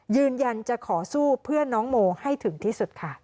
ยืนยันจะขอสู้เพื่อนน้องโมให้ถึงที่สุดค่ะ